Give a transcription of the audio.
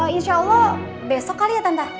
insya allah besok kali ya tanta